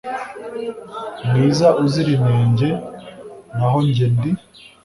mwiza uzira inenge, naho njye ndi